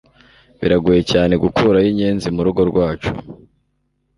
biragoye cyane gukuraho inyenzi murugo rwacu